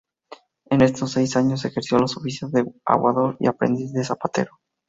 En estos seis años ejerció los oficios de aguador y aprendiz de zapatero.